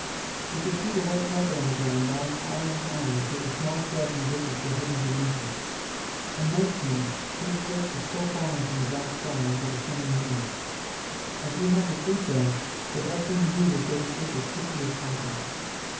We could see the white carpet on the ground rise higher and higher until the small shrubs and bushes were hidden beneath it. When night came, big flakes were still falling from the black sky onto the shimmering earth. As we had to sleep there, the best thing to do was to go to sleep as quickly as possible.